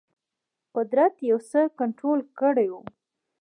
قدرت یو څه کنټرول کړی وو.